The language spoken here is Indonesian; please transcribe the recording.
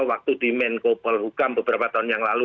waktu di menko polhukam beberapa tahun yang lalu